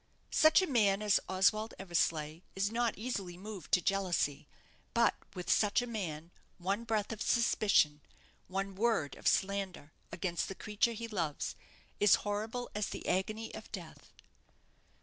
Such a man as Oswald Eversleigh is not easily moved to jealousy; but with such a man, one breath of suspicion, one word of slander, against the creature he loves, is horrible as the agony of death.